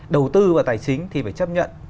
đầu tư và tài chính thì phải chấp nhận